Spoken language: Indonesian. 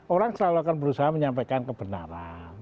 orang selalu akan berusaha menyampaikan kebenaran